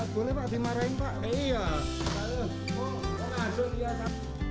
boleh dimarahin pak iya